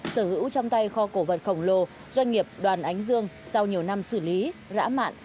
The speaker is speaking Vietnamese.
sở hữu trong tay kho cổ vật khổng lồ doanh nghiệp đoàn ánh dương sau nhiều năm xử lý rã mạng